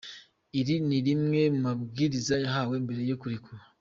Iri ni rimwe mu mabwiriza yahawe mbere yo kurekurwa.